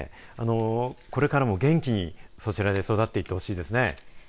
これからも元気にそちらで育っていってほしいですね。